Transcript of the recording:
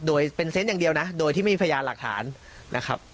โดยเป็นเซนต์อย่างเดียวนะโดยที่ไม่มีพยานหลักฐานนะครับ